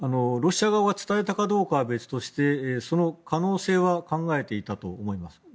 ロシア側は伝えたかどうかは別としてその可能性は考えていたと思います。